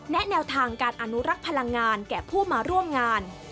แนวทางการอนุรักษ์พลังงานแก่ผู้มาร่วมงาน